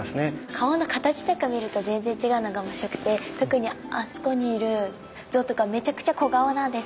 顔の形とか見ると全然違うのが面白くて特にあそこにいる像とかめちゃくちゃ小顔なんですよ。